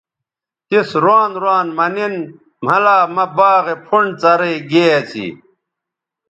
تس روان روان مہ نِن مھلا مہ باغے پھنڈ څرئ گے اسی